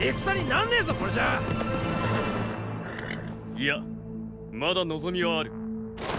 いやまだ望みはある。